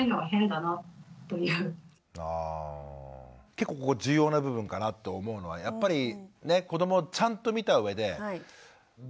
結構ここ重要な部分かなと思うのはやっぱりね子どもをちゃんと見たうえで絶対おかしいぞって。